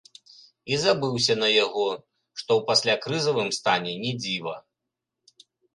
І забыўся на яго, што ў паслякрызавым стане не дзіва.